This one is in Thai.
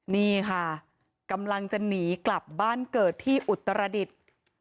นี่ค่ะกำลังจะหนีกลับบ้านเกิดที่อุตรดิษฐ์